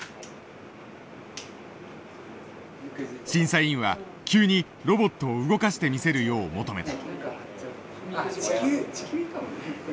審査委員は急にロボットを動かしてみせるよう求めた。